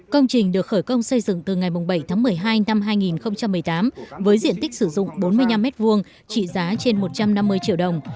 công trình được khởi công xây dựng từ ngày bảy tháng một mươi hai năm hai nghìn một mươi tám với diện tích sử dụng bốn mươi năm m hai trị giá trên một trăm năm mươi triệu đồng